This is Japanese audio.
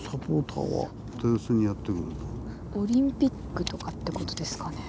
オリンピックとかってことですかね。